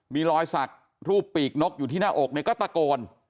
มีรอยสักรูปปีกนกอยู่ที่หน้าอกเนี่ยก็ตะโกน